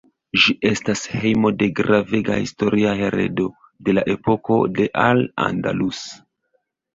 Ĝi estas hejmo de gravega historia heredo de la epoko de Al Andalus.